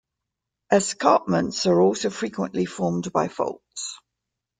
Escarpments are also frequently formed by faults.